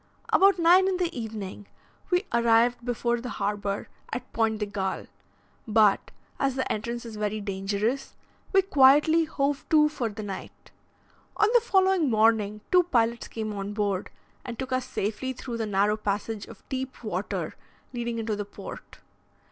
About 9 in the evening, we arrived before the harbour at Pointe de Galle, but, as the entrance is very dangerous, we quietly hove to for the night. On the following morning two pilots came on board and took us safely through the narrow passage of deep water leading into the port.